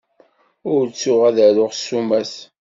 Ur ttuɣ ad aruɣ ssumat.